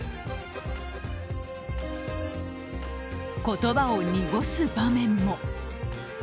言葉を濁す場面も。